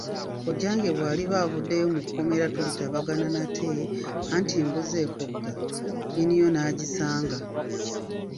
Kkojjange bw'aliba avuddeyo mu kkomera tulitabagana nate, anti mbuzeekogga, nnyiniyo n'agisanga.